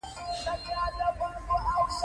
د درنې وسلې په ډلګۍ پورې تړلي و.